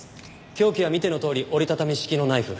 凶器は見てのとおり折り畳み式のナイフ。